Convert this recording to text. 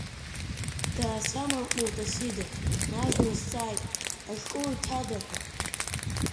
Даасамарҟәылт Асида, нас дрызҵааит ашкол иҭада ҳәа.